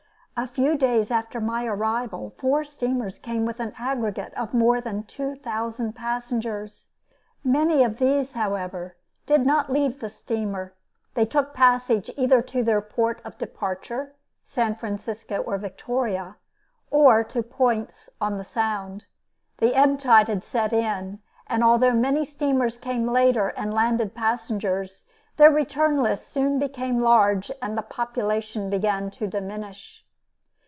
A few days after my arrival four steamers came with an aggregate of more than two thousand passengers. Many of these, however, did not leave the steamer; they took passage either to their port of departure San Francisco or Victoria or to points on the Sound. The ebb tide had set in, and although many steamers came later and landed passengers, their return lists soon became large and the population began to diminish.